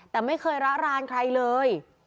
แต่ไม่เคยระรานใครเลย